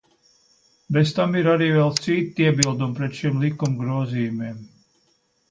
Bez tam ir arī vēl citi iebildumi pret šiem likumu grozījumiem.